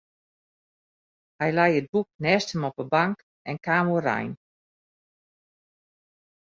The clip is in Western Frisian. Hy lei it boek neist him op de bank en kaam oerein.